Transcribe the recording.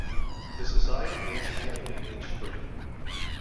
The society meets annually each spring.